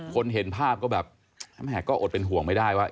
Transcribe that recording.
เห็นภาพก็แบบแม่ก็อดเป็นห่วงไม่ได้ว่า